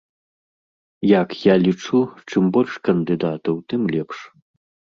Як я лічу, чым больш кандыдатаў, тым лепш.